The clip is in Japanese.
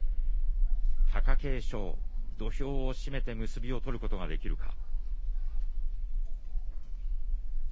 貴景勝、土俵を締めて結びを取ることができるか。